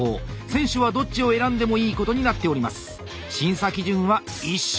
選手はどっちを選んでもいいことになっております。